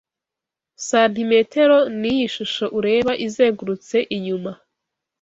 santimetero ni iyi shusho ureba izengurutse inyuma